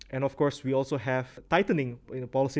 dan tentu saja kami juga memiliki